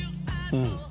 うん。